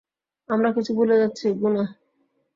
আমরা কিছু ভুলে যাচ্ছি, গুনা।